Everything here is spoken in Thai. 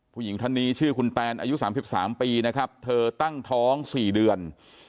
ผู้หญิงท่านนี้ชื่อคุณแตนอายุ๓๓ปีนะครับเธอตั้งท้อง๔เดือน